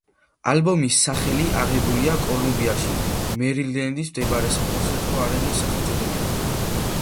ალბომის სახელი აღებულია კოლუმბიაში, მერილენდში მდებარე საკონცერტო არენის სახელწოდებიდან.